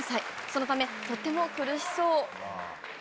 そのため、とても苦しそう。